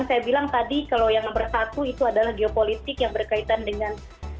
saya bilang tadi kalau yang nomor satu itu adalah geopolitik yang berkaitan dengan